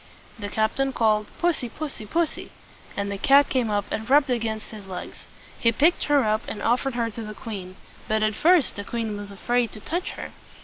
The captain called, "Pussy, pussy, pussy!" and the cat came up and rubbed against his legs. He picked her up, and offered her to the queen; but at first the queen was afraid to touch her.